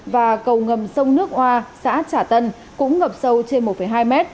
và cầu ngầm sông nước hoa xã trả tân cũng ngập sâu trên một hai m